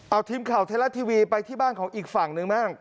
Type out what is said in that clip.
เอาทีมข่าวไทยรัฐทีวีไปที่บ้านของอีกฝั่งนึงบ้าง